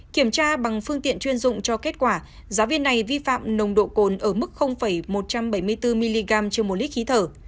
kiểm tra bằng phương tiện chuyên dụng cho kết quả giáo viên này vi phạm nồng độ cồn ở mức một trăm bảy mươi bốn mg trên một lít khí thở